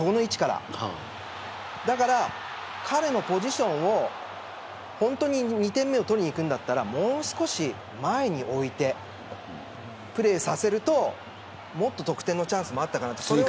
だから彼のポジションを２点目を取りにいくならもう少し前に置いてプレーさせると、もっと得点のチャンスもあったかなと。